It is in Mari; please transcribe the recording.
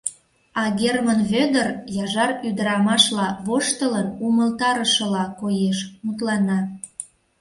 А Герман Вӧдыр яжар ӱдырамашла воштылын умылтарышыла коеш, мутлана.